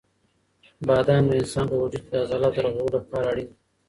بادام د انسان په وجود کې د عضلاتو د رغولو لپاره اړین دي.